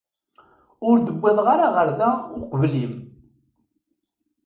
Ur d-wwiḍeɣ ara ɣer da uqbel-im.